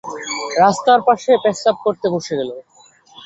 রাস্তার পাশে পেচ্ছাব করতে বসে গেল।